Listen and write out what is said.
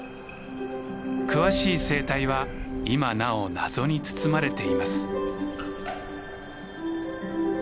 詳しい生態は今なお謎に包まれています。